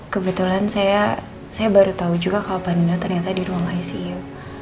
kebetulan saya baru tahu juga kalau pak nino ternyata di ruang icu